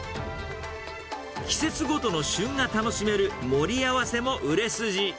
季節ごとの旬が楽しめる盛り合わせも売れ筋。